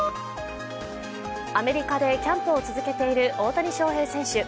アメリカでキャンプを続けている大谷翔平選手。